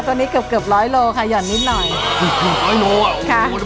ตัวนี้เกือบเกือบร้อยโลค่ะหย่อนนิดหน่อยอีกหนึ่งร้อยโลอ่ะค่ะ